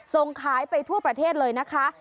ส่งขายไปทั่วประเทศเลยนะคะ